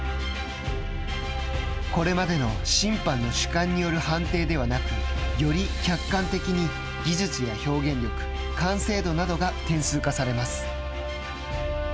これまでの審判の主観による判定ではなくより客観的に、技術や表現力完成度などが点数化されます。